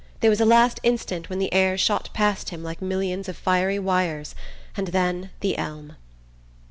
There was a last instant when the air shot past him like millions of fiery wires; and then the elm...